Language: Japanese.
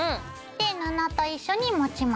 で布と一緒に持ちます。